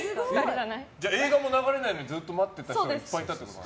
映画も流れないのにずっと待ってた人がいっぱいいたってこと？